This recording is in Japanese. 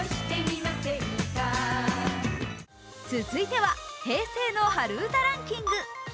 続いては平成の春うたランキング。